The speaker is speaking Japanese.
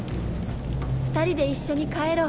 ２人で一緒に帰ろう。